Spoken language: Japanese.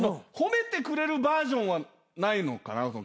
褒めてくれるバージョンはないのかな？